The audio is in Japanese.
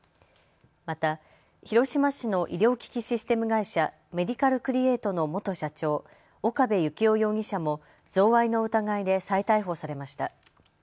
また広島市の医療機器システム会社、メディカルクリエイトの元社長、岡部幸夫容疑者も贈賄の疑いで再逮捕されました。